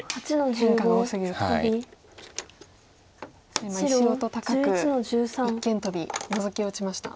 今石音高く一間トビノゾキを打ちました。